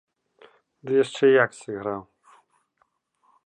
Ды яшчэ як сыграў!